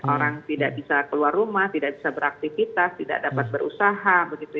orang tidak bisa keluar rumah tidak bisa beraktivitas tidak dapat berusaha